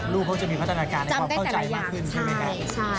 ลูกเขาจะมีพัฒนาการในความเข้าใจมากขึ้นใช่ไหมครับ